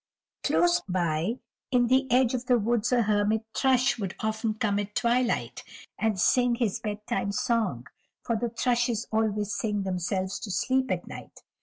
Close by in the edge of the woods a Hermit Thrush would often come at twilight, and sing his bedtime song, for the thrushes always sing themselves to sleep at night.